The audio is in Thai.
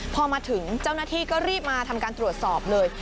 พอมาถึงเจ้าหน้าที่ก็รีบมาทำการตรวจสอบเลย